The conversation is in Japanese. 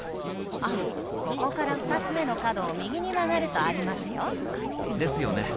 あここから２つ目の角を右に曲がるとありますよ。ですよね。